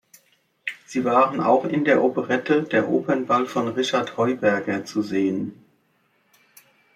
Sie war auch in der Operette Der Opernball von Richard Heuberger zu sehen.